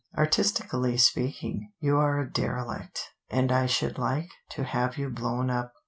Artistically speaking, you are a derelict, and I should like to have you blown up.